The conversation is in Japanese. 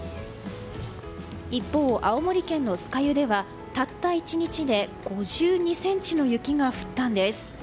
一方、青森県の酸ヶ湯ではたった１日で５２ｃｍの雪が降ったんです。